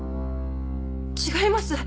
違います！